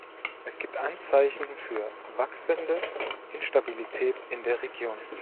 Es gibt Anzeichen für wachsende Instabilität in der Region.